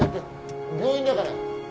病院だから。